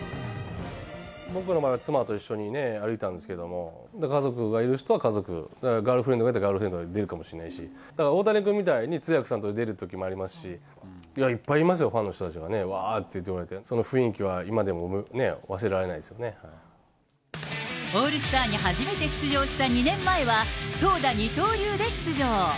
僕は妻と一緒に歩いたんですけれども、家族がいる人は家族と、ガールフレンドがいたらガールフレンドと出るかもしれないし、だから大谷君みたいに通訳さんと出ることもありますし、いっぱいいますよ、ファンの人たちがね、わーって、その雰囲気は今でも忘オールスターに初めて出場した２年前は、投打二刀流で出場。